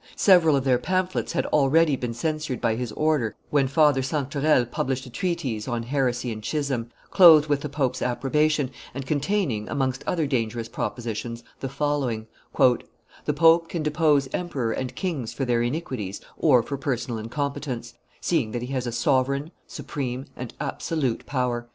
Several of their pamphlets had already been censured by his order when Father Sanctarel published a treatise on heresy and schism, clothed with the pope's approbation, and containing, amongst other dangerous propositions, the following: "The pope can depose emperor and kings for their iniquities or for personal incompetence, seeing that he has a sovereign, supreme, and absolute power."